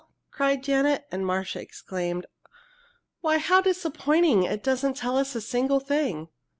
cried Janet. And Marcia exclaimed, "Why, how disappointing! It doesn't tell us a single thing!"